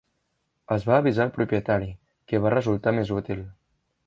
Es va avisar el propietari, que va resultar més útil.